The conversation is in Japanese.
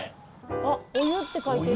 あっ「お湯」って書いてるから。